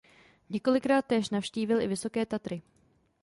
Několikrát též navštívil i Vysoké Tatry.